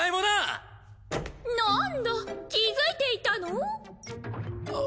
なあんだ気付いていたの？